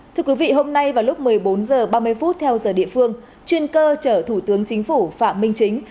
thưa quý vị hôm nay vào lúc một mươi bốn h ba mươi theo giờ địa phương chuyên cơ chở thủ tướng chính phủ phạm minh chính